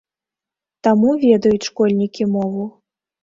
Таму ведаюць школьнікі мову.